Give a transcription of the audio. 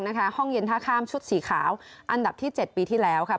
ห้องเย็นท่าข้ามชุดสีขาวอันดับที่๗ปีที่แล้วค่ะ